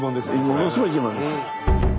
ものすごい自慢です。